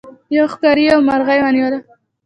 یو ښکاري یو مرغۍ ونیوله.